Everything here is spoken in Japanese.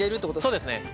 そうですね。